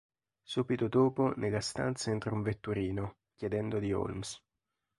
Subito dopo, nella stanza entra un vetturino, chiedendo di Holmes.